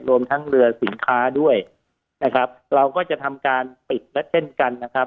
รวมทั้งเรือสินค้าด้วยนะครับเราก็จะทำการปิดและเช่นกันนะครับ